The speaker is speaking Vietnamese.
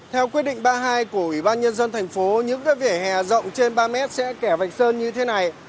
theo quyết định ba mươi hai của ủy ban nhân dân tp những vỉa hè rộng trên ba m sẽ kẻ vạch sơn như thế này